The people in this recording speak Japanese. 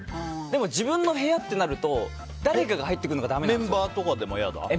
でも、自分の部屋ってなると誰かが入ってくるのがメンバーとかでも嫌だ？